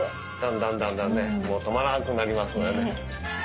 だんだんだんだんね止まらなくなりますわね。